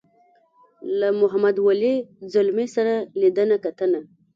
له محمد ولي ځلمي سره لیدنه کتنه.